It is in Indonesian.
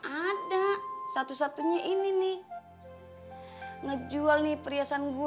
ada satu satunya ini nih ngejual nih perhiasan gua